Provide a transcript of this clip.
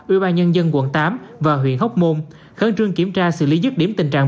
ủy ban nhân dân quận tám và huyện hóc môn khẩn trương kiểm tra xử lý dứt điểm tình trạng